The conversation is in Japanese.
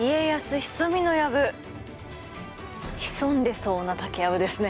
潜んでそうな竹籔ですね。